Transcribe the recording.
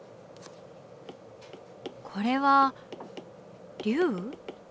これは龍？